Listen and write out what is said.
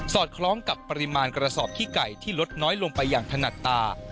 อดคล้องกับปริมาณกระสอบขี้ไก่ที่ลดน้อยลงไปอย่างถนัดตา